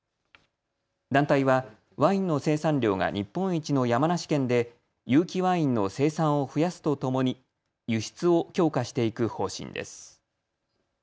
団体はワインの生産量が日本一の山梨県で有機ワインの生産を増やすとともに輸出を強化していく方針です。